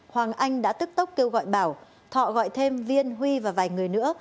hoàng anh đã tức tốc kêu gọi bảo thọ gọi thêm viên huy và vài người nữa